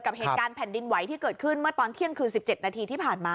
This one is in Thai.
เหตุการณ์แผ่นดินไหวที่เกิดขึ้นเมื่อตอนเที่ยงคืน๑๗นาทีที่ผ่านมา